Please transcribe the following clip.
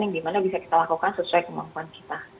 yang dimana bisa kita lakukan sesuai kemampuan kita